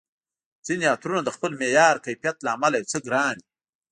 ځیني عطرونه د خپل معیار، کیفیت له امله یو څه ګران وي